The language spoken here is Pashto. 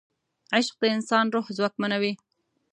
عشق د انسان روح ځواکمنوي.